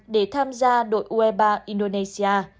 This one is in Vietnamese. để tham gia đội ue ba indonesia